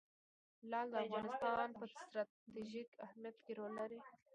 لعل د افغانستان په ستراتیژیک اهمیت کې رول لري.